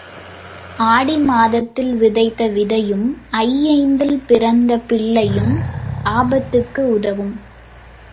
ஆடி மாதத்தில் விதைத்த விதையும் ஐயைந்தில் பிறந்த பிள்ளையும் ஆபத்துக்கு உதவும்.